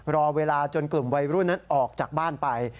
รอเวลาจนกลุ่มวัยรุ่นนั้นออกจากบ้านไป